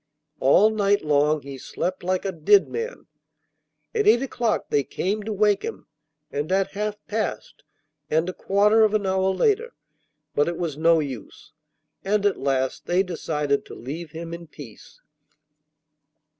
All night long he slept like a dead man. At eight o'clock they came to wake him, and at half past, and a quarter of an hour later, but it was no use; and at last they decided to leave him in peace.